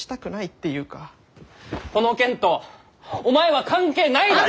この件とお前は関係ないだろう！？